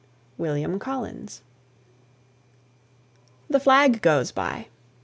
WILLIAM COLLINS. THE FLAG GOES BY.